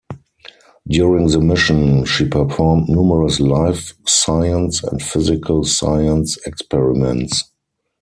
During the mission she performed numerous life science and physical science experiments.